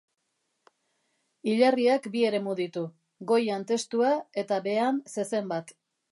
Hilarriak bi eremu ditu, goian testua eta behean zezen bat.